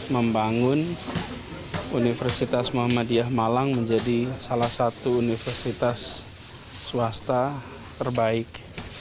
membangun universitas muhammadiyah malang menjadi salah satu universitas swasta terbaik